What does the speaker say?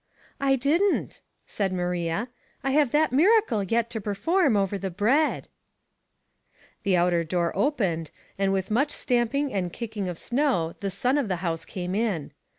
" I didn't," said Maria. " I have that mira cle yet to perform over the bread.*' Raisins, 17 The outer door opened, and with much stamp ing and kicking of snow the son of the house came in.